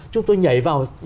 chúng tôi nhảy vào